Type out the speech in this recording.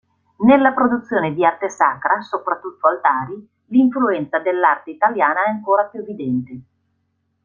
Nella produzione di arte sacra, soprattutto altari, l'influenza dell'arte italiana è ancora più evidente.